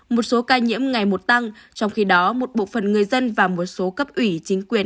một số ca nhiễm ngày một tăng trong khi đó một bộ phận người dân và một số cấp ủy chính quyền